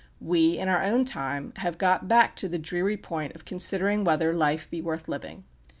We, in our own time, have got back to the dreary point of considering whether life be worth living.